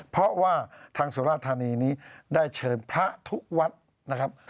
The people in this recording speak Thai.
เพราะว่าทางสุราธานีนี้ได้เชิญพระทุกวัดนะครับ